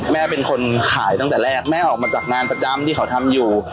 แม่เป็นคนขายตั้งแต่แรกแม่ออกมาจากงานประจำที่เขาทำอยู่